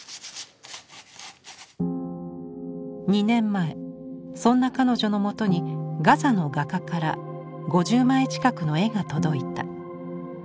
２年前そんな彼女の元にガザの画家から５０枚近くの絵が届いた。